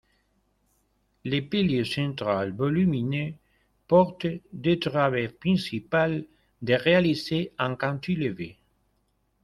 Le pilier central volumineux porte deux travées principales de réalisées en cantilever.